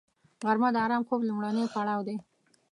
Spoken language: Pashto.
غرمه د آرام خوب لومړنی پړاو دی